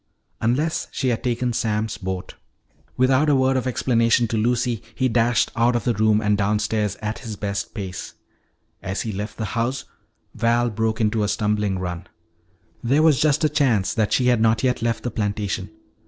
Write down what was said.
Unless she had taken Sam's boat Without a word of explanation to Lucy, he dashed out of the room and downstairs at his best pace. As he left the house Val broke into a stumbling run. There was just a chance that she had not yet left the plantation.